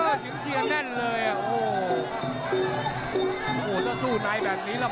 โอ้โหถ้าสู้ในแบบนี้ละ